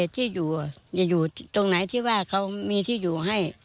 ที่อยู่จะอยู่ตรงไหนที่ว่าเขามีที่อยู่ให้